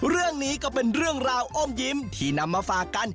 เรื่องนี้ก็เป็นเรื่องราวอ้อมยิ้มที่นำมาฝากกัน